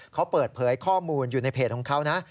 เขาเปิดเผยข้อมูลอยู่ในเพจของเขานะ